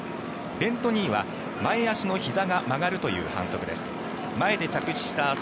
ベント・ニーは前足のひざが曲がるという反則です。